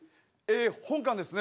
本官ですね